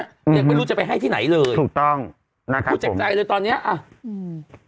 ยังไม่รู้จะไปให้ที่ไหนเลยพูดแจ็บใจเลยตอนนี้อ่ะถูกต้อง